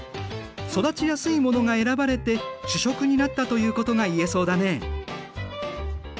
育ちやすいものが選ばれて主食になったということが言えそうだね。